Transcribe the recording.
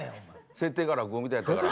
設定が落語みたいやったから。